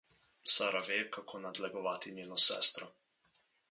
Sara ve, kako nadlegovati njeno sestro.